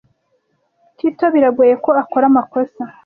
Tito biragoye ko akora amakosa.